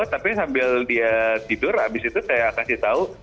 tapi sambil dia tidur abis itu saya kasih tahu